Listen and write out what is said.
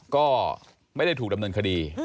ก็ไม่ได้ถูกดำเนินคดี